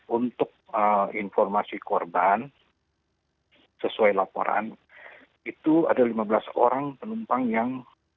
untuk informasi korban sesuai laporan itu ada lima belas orang penumpang yang